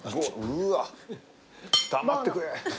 うわっ黙って食え。